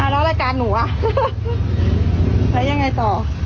แล้วรายการหนูอ่ะแล้วยังไงต่อ